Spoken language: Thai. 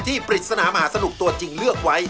ปริศนามหาสนุกตัวจริงเลือกไว้